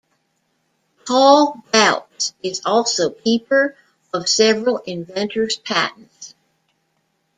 Paul Bouts is also keeper of several inventor's patents.